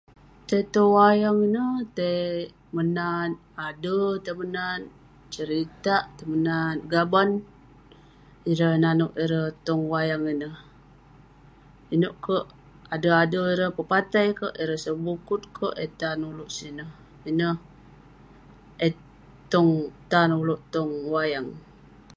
Tai tong wayang neh, tai menat ade, tai menat seritak, tai menat gaban, ireh..nanouk ireh tong wayang ineh..inouk kerk ade ade ireh...pepatai kerk, ireh sebukut kerk..eh tan ulouk sineh..ineh eh tong, tan ulouk tong wayang.